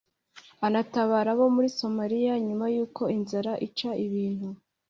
anatabara abo muri Samariya nyuma y’uko inzara ica ibintu